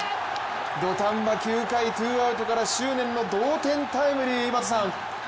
土壇場９回ツーアウトから執念の同点タイムリー。